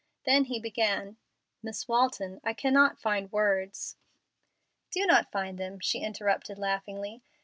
Then he began, "Miss Walton, I cannot find words " "Do not find them," she interrupted, laughingly.